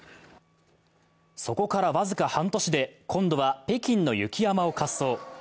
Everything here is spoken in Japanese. そこから僅か半年で今度は北京の雪山を滑走。